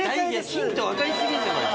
ヒント分かりすぎですよ。